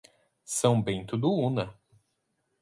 São Bento do Una